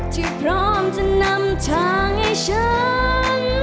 ที่พร้อมจะนำทางให้ฉัน